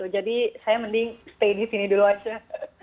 jadi saya mending stay di sini dulu aja